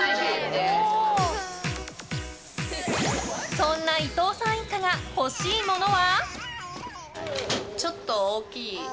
そんな伊藤さん一家が欲しいものは？